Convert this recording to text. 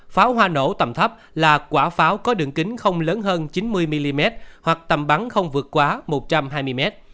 pháo hoa nổ tầm thấp là quả pháo có đường kính không lớn hơn chín mươi mm hoặc tầm bắn không vượt quá một trăm hai mươi m